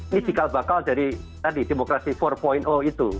ini cikal bakal dari tadi demokrasi empat itu